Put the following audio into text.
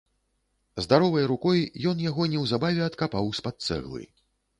Здаровай рукой ён яго неўзабаве адкапаў з-пад цэглы.